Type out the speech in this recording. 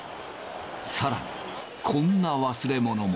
さらに、こんな忘れ物も。